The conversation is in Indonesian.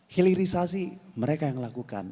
hilirisasi mereka yang melakukan